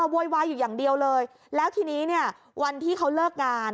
โวยวายอยู่อย่างเดียวเลยแล้วทีนี้เนี่ยวันที่เขาเลิกงาน